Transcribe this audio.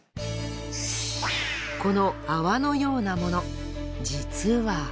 この泡のようなもの実は。